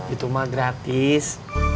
itu mak gratis